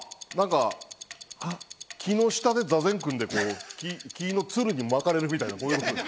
木の下で座禅を組んで、木のつるに巻かれる。